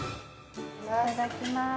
いただきます